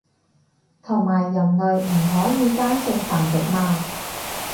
同埋人類唔可以單性繁殖嘛